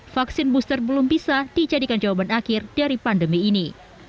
vaksin booster belum bisa dijadikan jawaban akhir dari pandemi ini